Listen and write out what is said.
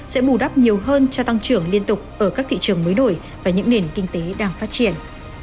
sẽ bù đắp nhiều hơn cho tăng trưởng liên tục ở các thị trường mới nổi và những nền kinh tế đang phát triển